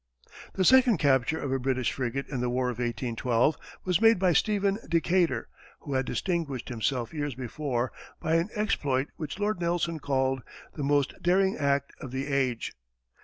The second capture of a British frigate in the war of 1812 was made by Stephen Decatur, who had distinguished himself years before by an exploit which Lord Nelson called "the most daring act of the age."